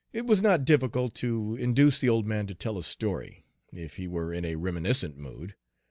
It was not difficult to induce the old man to tell a story, if he were in a reminiscent mood.